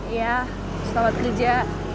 iya selamat kerja